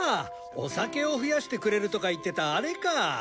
お酒を増やしてくれるとか言ってたあれか！